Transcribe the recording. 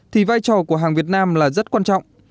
thì vai trò của hàng việt nam là rất quan trọng